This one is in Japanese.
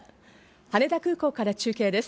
羽田空港から中継です。